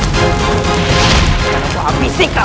sekarang aku hampir sih kau